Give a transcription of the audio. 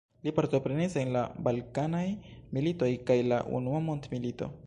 Li partoprenis en la Balkanaj militoj kaj la Unua Mondmilito.